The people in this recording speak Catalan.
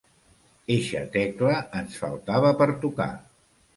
Eixa tecla ens faltava per tocar.